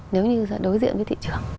nếu như đối diện với thị trường